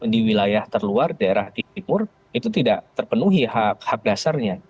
di wilayah terluar daerah di timur itu tidak terpenuhi hak hak dasarnya